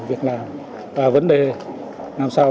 vấn đề làm sao